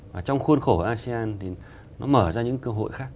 và trong khuôn khổ asean thì nó mở ra những cơ hội khác